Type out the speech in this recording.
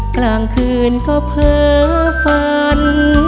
กลางคืนก็เพลิงฟัง